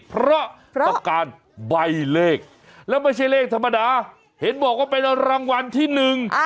เพราะต้องการใบเลขแล้วไม่ใช่เลขธรรมดาเห็นบอกว่าเป็นรางวัลที่หนึ่ง